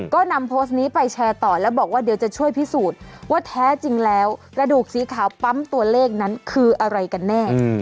ก็นำโพสต์นี้ไปแชร์ต่อแล้วบอกว่าเดี๋ยวจะช่วยพิสูจน์ว่าแท้จริงแล้วกระดูกสีขาวปั๊มตัวเลขนั้นคืออะไรกันแน่